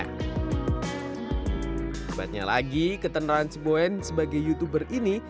kebetulannya lagi ketenteraan si boen sebagai youtuber ini